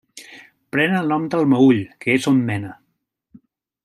Pren el nom del Meüll, que és on mena.